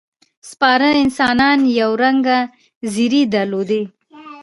سپاره انسانان یو رنګه ځېرې درلودې.